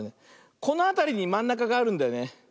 このあたりにまんなかがあるんだよね。